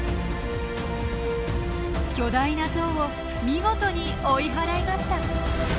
巨大なゾウを見事に追い払いました。